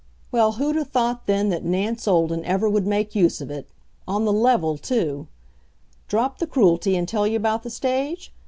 Well, who'd 'a' thought then that Nance Olden ever would make use of it on the level, too! Drop the Cruelty, and tell you about the stage?